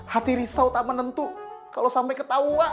hati risau tak menentu kalo sampe ketauan